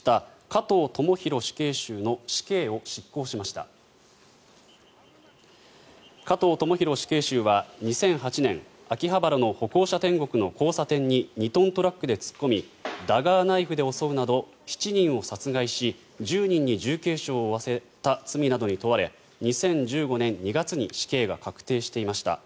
加藤智大死刑囚は２００８年秋葉原の歩行者天国の交差点に２トントラックで突っ込みダガーナイフで襲うなど７人を殺害し１０人に重軽傷を負わせた罪などに問われ２０１５年２月に死刑が確定していました。